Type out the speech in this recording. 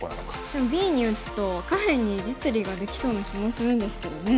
でもＢに打つと下辺に実利ができそうな気もするんですけどね。